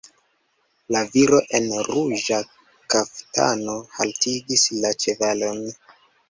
La viro en ruĝa kaftano haltigis la ĉevalon.